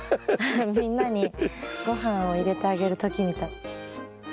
みんなにごはんを入れてあげる時みたい。